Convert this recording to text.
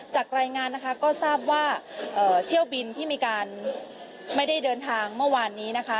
จากรายงานนะคะก็ทราบว่าเที่ยวบินที่มีการไม่ได้เดินทางเมื่อวานนี้นะคะ